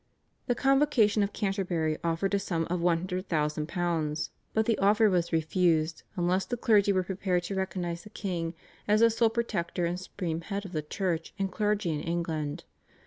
The Convocation of Canterbury offered a sum of £100,000, but the offer was refused unless the clergy were prepared to recognise the king as the sole protector and supreme head of the church and clergy in England.